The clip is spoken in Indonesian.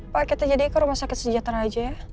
pak kita jadikan rumah sakit sejahtera aja ya